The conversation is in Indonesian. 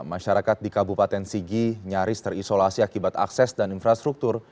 masyarakat di kabupaten sigi nyaris terisolasi akibat akses dan infrastruktur